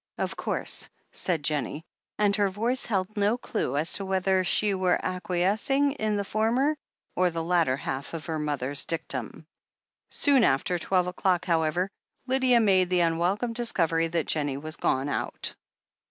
"Of course," said Jennie, and her voice held no clue as to whether she were acquiescing in the former or the latter half of her mother's dictum. Soon after twelve o'clock, however, Lydia made the unwelcome discovery that Jennie was gone out.